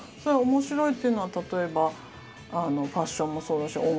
それは面白いっていうのは例えばファッションもそうだし